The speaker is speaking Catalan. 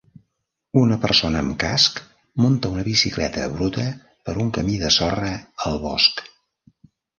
Una persona amb casc munta una bicicleta bruta per un camí de sorra al bosc.